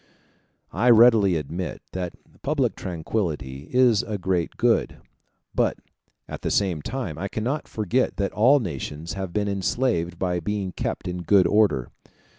I readily admit that public tranquillity is a great good; but at the same time I cannot forget that all nations have been enslaved by being kept in good order.